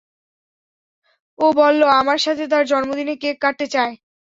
ও বললো আমার সাথে তার জন্মদিনে কেক কাটতে চায়।